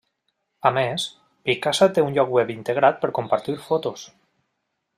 A més, Picasa té un lloc web integrat per compartir fotos.